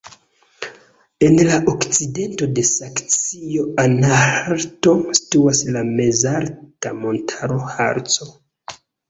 En la okcidento de Saksio-Anhalto situas la mezalta montaro Harco.